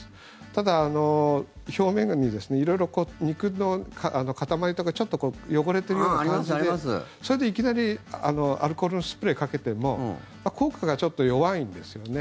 ただ表面に色々、肉の塊とかちょっと汚れてるような感じでそれでいきなりアルコールスプレーかけても効果がちょっと弱いんですよね。